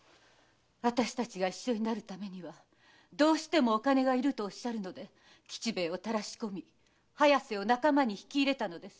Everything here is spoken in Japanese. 私たちが一緒になるためにはどうしてもお金がいると言うので吉兵衛をたらし込み早瀬を仲間に引き入れたのです。